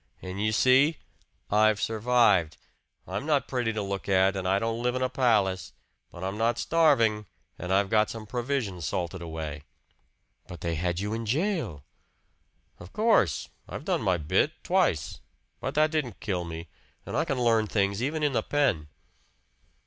"And you see I've survived! I'm not pretty to look at and I don't live in a palace, but I'm not starving, and I've got some provisions salted away." "But they had you in jail!" "Of course. I've done my bit twice. But that didn't kill me; and I can learn things, even in the pen."